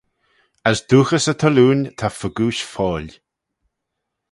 As dooghys y thallooin ta fegooish foill.